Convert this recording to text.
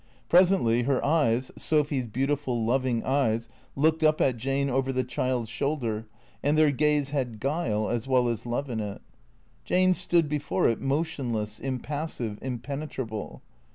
Presently her eyes, Sophy's beautiful, loving eyes, looked up at Jane over the child's shoulder, and their gaze had guile as well as love in it. Jane stood before it motionless, impassive, impenetrable.